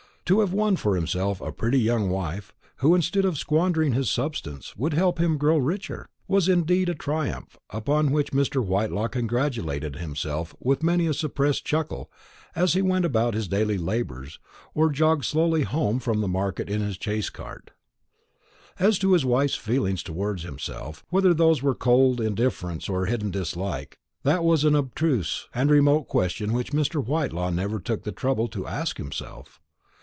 To have won for himself a pretty young wife, who, instead of squandering his substance, would help him to grow richer, was indeed a triumph, upon which Mr. Whitelaw congratulated himself with many a suppressed chuckle as he went about his daily labours, or jogged slowly home from market in his chaise cart. As to his wife's feelings towards himself, whether those were cold indifference or hidden dislike, that was an abstruse and remote question which Mr. Whitelaw never took the trouble to ask himself.